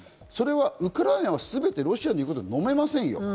それはウクライナはすべてロシアの言うことを飲めませんよ。